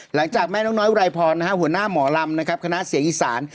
หลังจากแม่นกน้อยไวไรพรหัวหน้าหมอลำคณะเสียงีศาล